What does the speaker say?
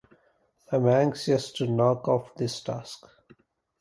I am anxious to knock off this task.